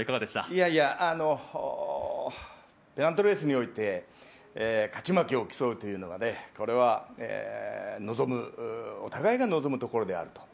いやいや、ペナントレースにおいて勝ち負けを競うというのがこれは、お互いが望むところであると。